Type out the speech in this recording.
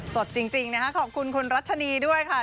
สดจริงนะคะขอบคุณคุณรัชนีด้วยค่ะ